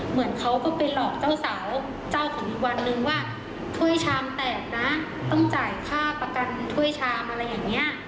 เหมือนเขาก็ไปหลอกเจ้าสาวเจ้าของอีกวันนึงว่าถ้วยชามแตกนะต้องจ่ายค่าประกันถ้วยชามอะไรอย่างนี้